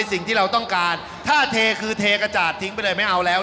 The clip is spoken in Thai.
สิ่งที่เราต้องการถ้าเทคือเทกระจาดทิ้งไปเลยไม่เอาแล้ว